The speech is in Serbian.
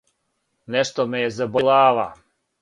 Нешто ме је забољела глава,